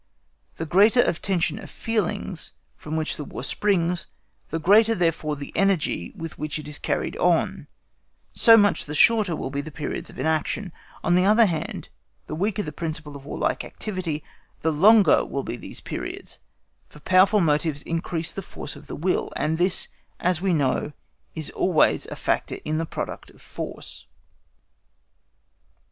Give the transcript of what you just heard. The greater the tension of feelings from which the War springs, the greater therefore the energy with which it is carried on, so much the shorter will be the periods of inaction; on the other hand, the weaker the principle of warlike activity, the longer will be these periods: for powerful motives increase the force of the will, and this, as we know, is always a factor in the product of force.